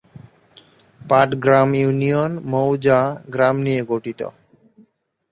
Patgram union মৌজা/গ্রাম নিয়ে গঠিত।